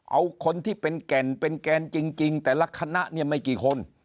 เอาคนที่เป็นแก่นเป็นแกนจริงแต่ละคณะเนี่ยไม่กี่คน